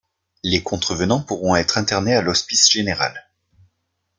Les contrevenants pourront être internés à l'Hospice Général.